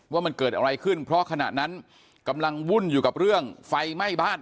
ว่ามันเกิดอะไรขึ้นเพราะขณะนั้นกำลังวุ่นอยู่กับเรื่องไฟไหม้บ้าน